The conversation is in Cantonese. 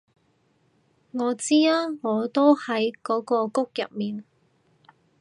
我知啊我都喺嗰個谷入面